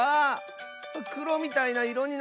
くろみたいないろになった！